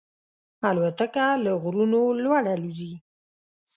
الوتکه له غرونو لوړ الوزي.